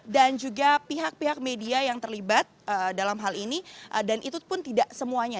dan juga pihak pihak media yang terlibat dalam hal ini dan itu pun tidak semuanya